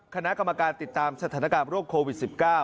คณะกรรมการติดตามสถานการณ์โรคโควิด๑๙